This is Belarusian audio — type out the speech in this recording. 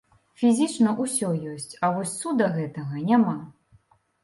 Фізічна ўсё ёсць, а вось цуда гэтага няма.